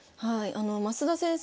増田先生